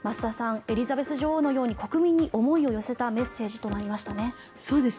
エリザベス女王のように国民に思いを寄せたメッセージとなりましたね。